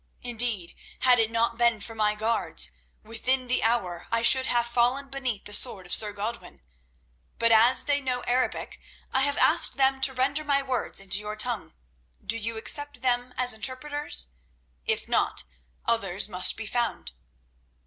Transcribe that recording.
Indeed, had it not been for my guards, within the hour I should have fallen beneath the sword of Sir Godwin. But as they know Arabic, I have asked them to render my words into your tongue. Do you accept them as interpreters? If not, others must be found."